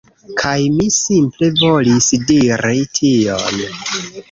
Kaj mi simple volis diri tion.